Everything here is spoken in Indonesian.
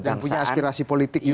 punya aspirasi politik juga